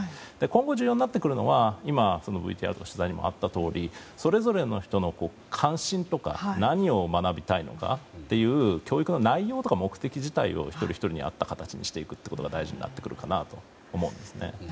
今後、重要になってくるのはＶＴＲの取材にもあったとおりそれぞれの人の関心とか何を学びたいのかという教育の内容とか目的自体を一人ひとりに合った形にしていくことが大事になってくるかなと思うんですね。